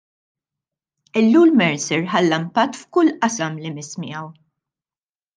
Ellul Mercer ħalla impatt f'kull qasam li miss miegħu.